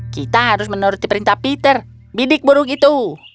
kita harus menuruti perintah peter bidik buruk itu